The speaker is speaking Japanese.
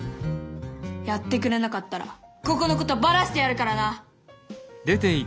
やってくれなかったらここのことバラしてやるからな！